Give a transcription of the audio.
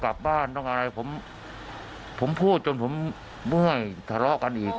กลับบ้านต้องอะไรผมผมพูดจนผมเมื่อยทะเลาะกันอีก